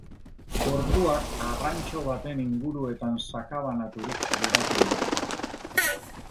Gorpuak arrantxo baten inguruetan sakabanaturik geratu dira.